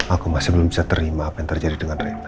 aku masih belum bisa terima apa yang terjadi dengan mereka